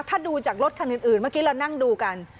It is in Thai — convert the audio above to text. ถ้าดูจากรถคันอื่นเมื่อกี้เรานั่งดูกัน